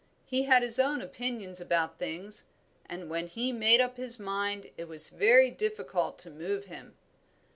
He had his own opinions about things, and when he made up his mind it was very difficult to move him.